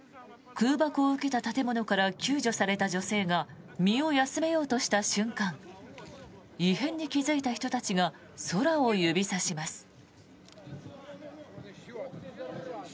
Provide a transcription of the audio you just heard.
空爆を受けた建物から救助された女性が身を休めようとした瞬間異変に気付いた人たちが空を指さします。